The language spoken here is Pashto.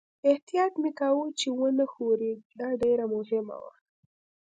احتیاط مې کاوه چې و نه ښوري، دا ډېره مهمه وه.